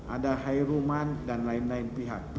ada hairuman dan lain lain pihak